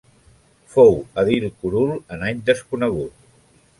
Fou edil curul en any desconegut.